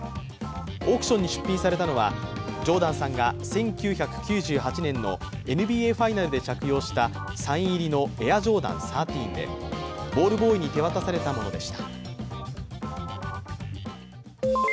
オークションに出品されたのはジョーダンさんが１９９８年のＮＢＡファイナルで着用したサイン入りのエアジョーダン１３でボールボーイに手渡されたものです。